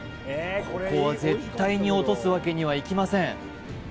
ここは絶対に落とすわけにはいきません